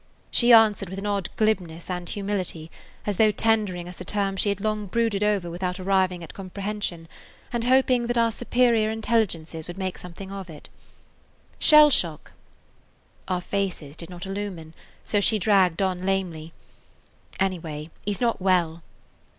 She answered with an odd glibness and humility, as though tendering us a term she had long brooded over without arriving at comprehension, and hoping that our superior intelligences would make something of it: "Shell shock." Our faces did not illumine, so she dragged on lamely, "Anyway, he 's not well."